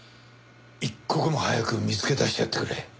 一刻も早く見つけ出してやってくれ。